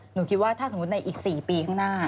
หนูคิดว่าถ้าสมมุติในอีก๔ปีข้างหน้า